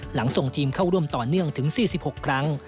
ส่งทีมเข้าร่วมต่อเนื่องถึง๔๖ครั้ง